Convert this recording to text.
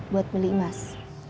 buat milih imas